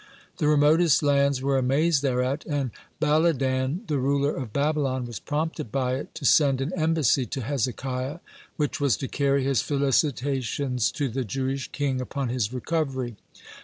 The remotest lands were amazed thereat, and Baladan, the ruler of Babylon, was prompted by it to send an embassy to Hezekiah, which was to carry his felicitations to the Jewish king upon his recovery.